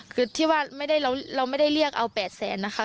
คือที่ว่าเราไม่ได้เรียกเอา๘แสนนะคะ